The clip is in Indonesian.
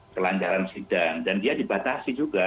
kelancaran sidang dan dia dibatasi juga